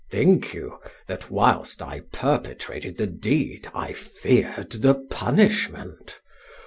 "Think you, that whilst I perpetrated the deed I feared the punishment?